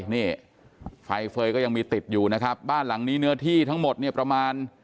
นี่ไฟเฟย์ก็ยังมีติดอยู่นะครับบ้านหลังนี้เนื้อที่ทั้งหมดเนี่ยประมาณ